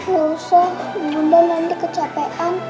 gak usah bunda nanti kecapekan